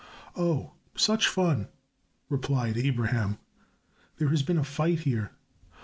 "Oh! Such fun," replied Abraham. "There has been a fight here.